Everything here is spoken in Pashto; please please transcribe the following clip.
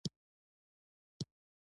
په کوم جرم دې وژلی یم.